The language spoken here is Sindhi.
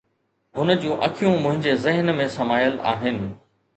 هن جون اکيون منهنجي ذهن ۾ سمايل آهن